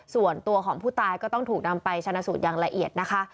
ส่วนตัวของผู้ตายก็ต้องถูกนำไปชนะสูตรอย่างละเอียดนะคะ